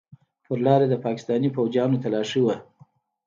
پر لاره د پاکستاني فوجيانو تلاشي وه.